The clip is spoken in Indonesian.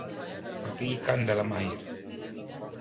Seperti ikan dalam air